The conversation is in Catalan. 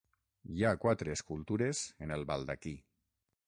Hi ha quatre escultures en el baldaquí.